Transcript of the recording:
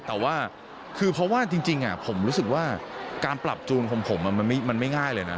แต่ว่าคือเพราะว่าจริงผมรู้สึกว่าการปรับจูนของผมมันไม่ง่ายเลยนะ